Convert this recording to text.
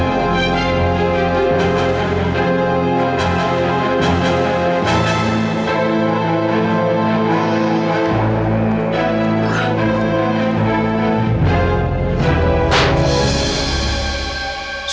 ndra kamu udah nangis